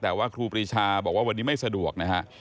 แต่ว่าครูปรีชาบอกว่าวันนี้ไม่สะดวกนะฮะ